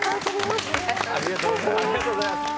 ありがとうございます。